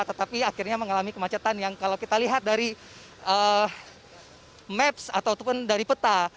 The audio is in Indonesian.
tetapi akhirnya mengalami kemacetan yang kalau kita lihat dari maps ataupun dari peta